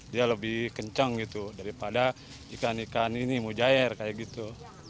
dia lebih kencang gitu daripada ikan ikan ini mujair kayak gitu